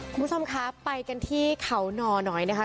คุณผู้ชมคะไปกันที่เขานอหน่อยนะคะ